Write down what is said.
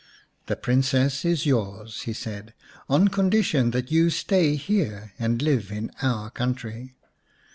" The Princess is yours," he said, " on condi tion that you stay here and live in our country.